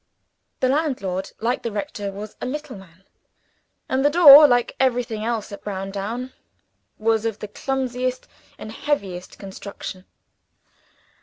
The landlord, like the rector, was a little man; and the door, like everything else at Browndown, was of the clumsiest and heaviest construction.